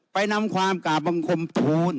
นำความกราบบังคมทูล